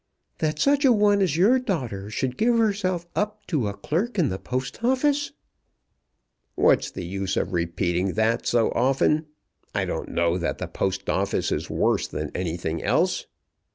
"That such a one as your daughter should give herself up to a clerk in the Post Office!" "What's the use of repeating that so often? I don't know that the Post Office is worse than anything else.